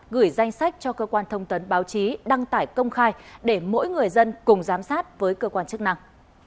gửi danh sách cho cơ quan thông tấn báo chí đăng tải công khai để mỗi người dân cùng giám sát với cơ quan chức năng